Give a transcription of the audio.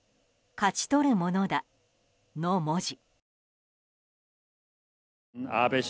勝ち取るものだの文字。